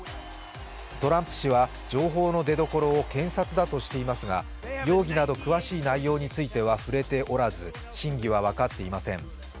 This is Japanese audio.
トランプ氏は情報の出どころを検察だとしていますが容疑など詳しい内容については触れておらず真偽は分かっていません。